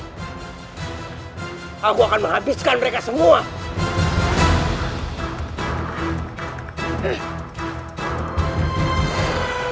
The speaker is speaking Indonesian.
aku akan menghabiskan mereka semua